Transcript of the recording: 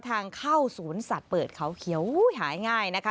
ทางเข้าสวนสัตว์เปิดเขาเขียวหายง่ายนะคะ